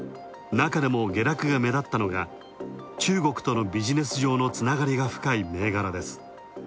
中でも下落が目だったのが、中国とのビジネス上のつながりが深い銘柄です。